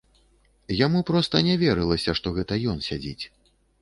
Яму проста не верылася, што гэта ён сядзіць.